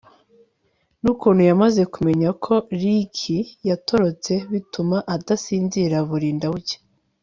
nukuntu yamaze kumenya ko Ricky yatorotse bituma adasinzira burinda bucya